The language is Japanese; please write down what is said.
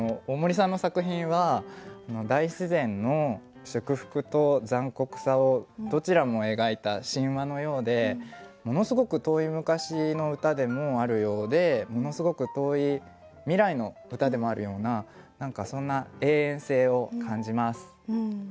大森さんの作品は大自然の祝福と残酷さをどちらも描いた神話のようでものすごく遠い昔の歌でもあるようでものすごく遠い未来の歌でもあるような何かそんな永遠性を感じます。